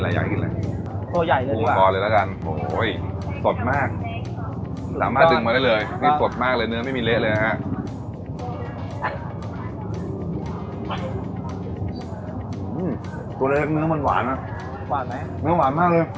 ตัวเลขเนื้อมันหวานเนื้อหวานมากเลย